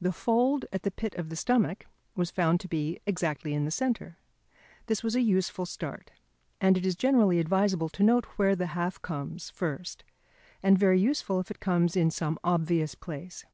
The fold at the pit of the stomach was found to be exactly in the centre. This was a useful start, and it is generally advisable to note where the half comes first, and very useful if it comes in some obvious place.